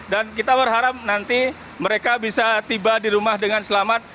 dan kita berharap nanti mereka bisa tiba di rumah dengan selamat